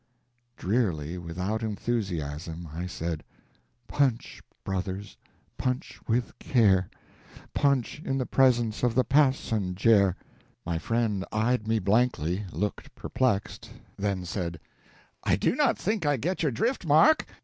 Drearily, without enthusiasm, I said: "Punch brothers, punch with care! Punch in the presence of the passenjare!" My friend eyed me blankly, looked perplexed, then said: "I do not think I get your drift, Mark.